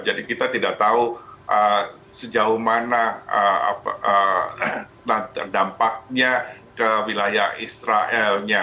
jadi kita tidak tahu sejauh mana dampaknya ke wilayah israelnya